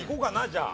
じゃあ。